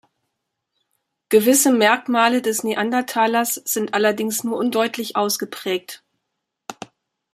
Gewisse Merkmale des Neandertalers sind allerdings nur undeutlich ausgeprägt.